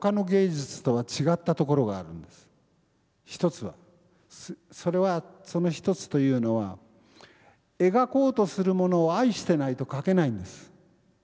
１つはそれはその１つというのは描こうとするものを愛してないと描けないんです。